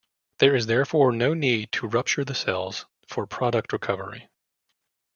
There is therefore no need to rupture the cells for product recovery.